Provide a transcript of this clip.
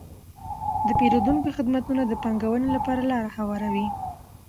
د پیرودونکو خدمتونه د پانګونې لپاره لاره هواروي.